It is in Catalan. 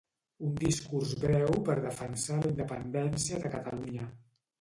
Un discurs breu per defensar la independència de Catalunya